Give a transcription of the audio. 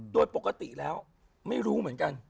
โดยปกติแล้วไม่รู้เหมือนกัน